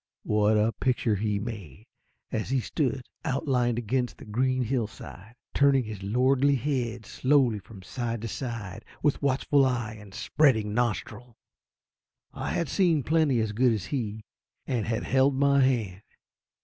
What a picture he made, as he stood outlined against the green hillside, turning his lordly head slowly from side to side with watchful eye and spreading nostril! I had seen plenty as good as he, and had held my hand.